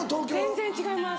全然違います。